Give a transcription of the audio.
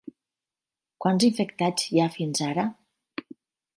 Quants infectats hi ha fins ara?